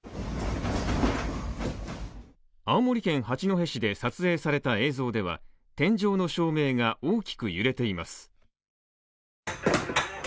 青森県八戸市で撮影された映像では、天井の照明が大きく揺れています。